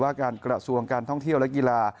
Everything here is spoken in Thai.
การกระทรวงการท่องเที่ยวและกีฬา